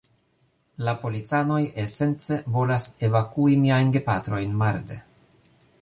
La policanoj esence volas evakui miajn gepatrojn marde.